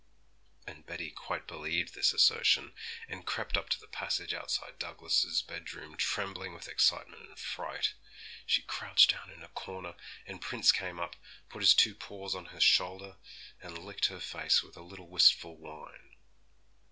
And Betty quite believed this assertion, and crept up to the passage outside Douglas's bedroom trembling with excitement and fright. She crouched down in a corner, and Prince came up, put his two paws on her shoulder, and licked her face with a little wistful whine.